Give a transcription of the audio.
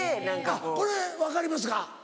あっこれ分かりますか？